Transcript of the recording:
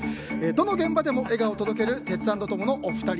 どの現場でも笑顔を届けるテツａｎｄトモのお二人。